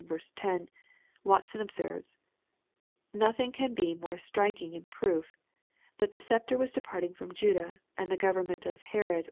10, Watson observes, "Noticing can be more strikingly in proo^ that the sceptre was departing from Judah, and the government of Herod